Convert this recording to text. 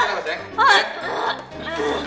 gak ada sayang gak ada